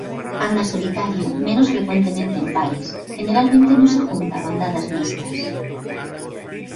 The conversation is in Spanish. Anda solitario, menos frecuentemente en pares, generalmente no se junta a bandadas mixtas.